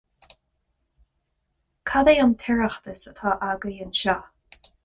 cad é an t-oireachtas atá agaibh anseo?